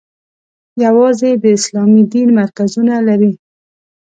یوازې د اسلامي دین مرکزونه لري.